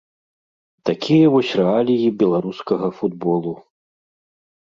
Такія вось рэаліі беларускага футболу.